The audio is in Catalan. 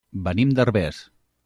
Venim de Herbers.